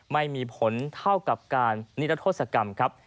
ไม่มีผลเท่ากับการนิรัทธศกรรมครับ